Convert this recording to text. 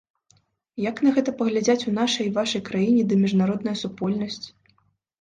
Як на гэта паглядзяць у нашай і вашай краіне ды міжнародная супольнасць?